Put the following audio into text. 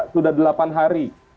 sudah delapan hari